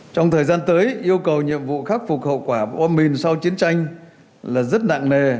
trong thời gian tới yêu cầu nhiệm vụ khắc phục hậu quả bom mìn sau chiến tranh là rất nặng nề